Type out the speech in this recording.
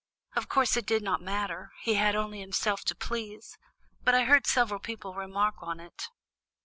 Of course, it did not matter; he had only himself to please; but I heard several people remark on it."